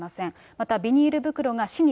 また、ビニール袋が死に